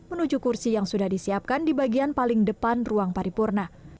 menuju kursi yang sudah disiapkan di bagian paling depan ruang paripurna